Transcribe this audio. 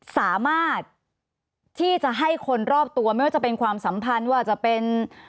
สามารถที่จะให้คนรอบตัวไม่ว่าจะเป็นความสัมพันธ์ว่าจะเป็น